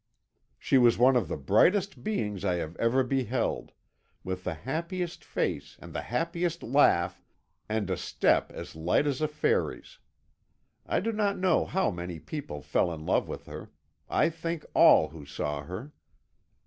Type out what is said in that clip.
"She was one of the brightest beings I have ever beheld, with the happiest face and the happiest laugh, and a step as light as a fairy's. I do not know how many people fell in love with her I think all who saw her.